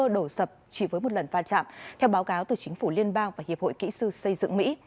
đổ sập chỉ với một lần va chạm theo báo cáo từ chính phủ liên bang và hiệp hội kỹ sư xây dựng mỹ